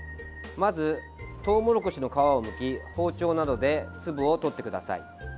まず、トウモロコシの皮をむき包丁などで粒を取ってください。